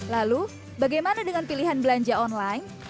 lalu bagaimana dengan pilihan belanja online